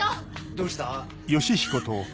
どうした？